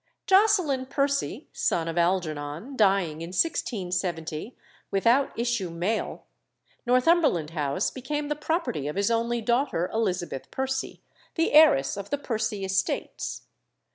Joceline Percy, son of Algernon, dying in 1670, without issue male, Northumberland House became the property of his only daughter Elizabeth Percy, the heiress of the Percy estates.